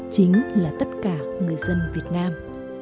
chính là tất cả người dân việt nam